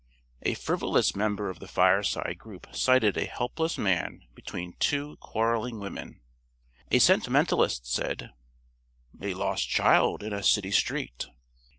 A frivolous member of the fireside group cited a helpless man between two quarreling women. A sentimentalist said: "A lost child in a city street."